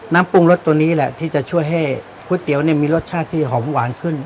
น้ำปรุงรสตัวนี้แหละที่จะช่วยให้ก๋วยเตี๋ยวเนี่ยมีรสชาติที่หอมหวานขึ้น